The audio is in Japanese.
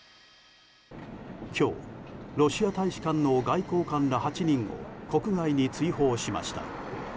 今日、ロシア大使館の外交官ら８人を国外に追放しました。